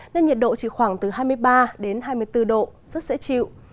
nên nhiệt độ chỉ khoảng từ hai mươi ba đến hai mươi bốn độ rất dễ chịu